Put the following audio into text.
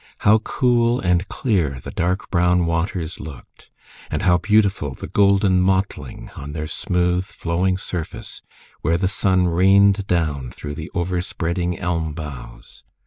How cool and clear the dark brown waters looked! And how beautiful the golden mottling on their smooth, flowing surface, where the sun rained down through the over spreading elm boughs!